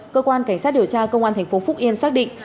cơ quan cảnh sát điều tra công an thành phố phúc yên xác định